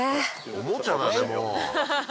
おもちゃだねもう。